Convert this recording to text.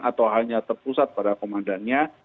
atau hanya terpusat pada komandannya